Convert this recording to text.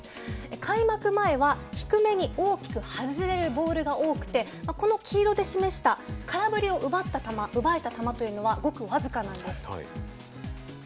開幕前は低めに大きく外れるボールが多くてこの黄色で示した空振りを奪った球奪えた球というのはごく僅かなんです。